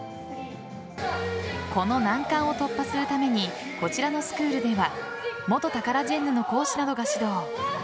この難関を突破するためにこちらのスクールでは元タカラジェンヌの講師などが指導。